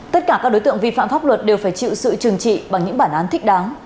tất cả các đối tượng vi phạm pháp luật đều phải chịu sự trừng trị bằng những bản án thích đáng